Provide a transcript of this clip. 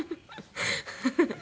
フフフフ！